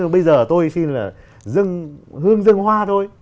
bây giờ tôi xin là hương dâng hoa thôi